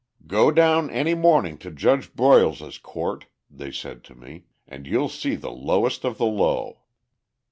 "Go down any morning to Judge Broyles's court," they said to me, "and you'll see the lowest of the low."